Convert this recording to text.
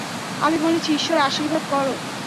আমি বলেছি, ঈশ্বর আশীর্বাদ কোরো।